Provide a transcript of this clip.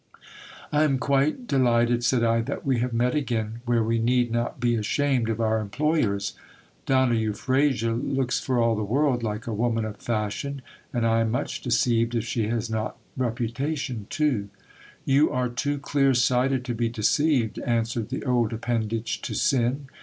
I am quite delighted, said I, that we have met again, where we need not be ashamed of our employers. Donna Euphrasia looks for all the world like a woman of fashion, and I am much deceived if she has not reputation too. You are too clear sighted to be deceived, answered the old appendage to sin.